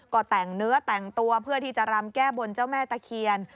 ก็แต่งเนื้อแต่งตัวเพื่อที่จะรำแก้บนเจ้าแม่ตะเคียน